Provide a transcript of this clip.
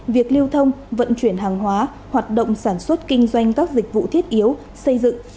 việc lưu thông vận chuyển hàng hóa hoạt động sản xuất kinh doanh các dịch vụ thiết yếu xây dựng